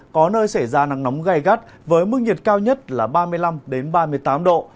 có nơi xảy ra nắng nóng gai gắt với mức nhiệt cao nhất là ba mươi năm ba mươi tám độ